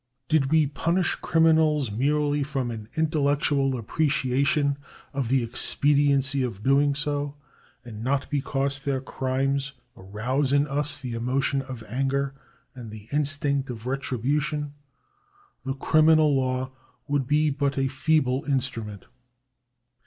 Did we punish criminals merely from an intellectual appre ciation of the expediency of so doing, and not because their crimes arouse in us the emotion of anger and the instinct of retribution, the criminal law would be but a feeble instru ment.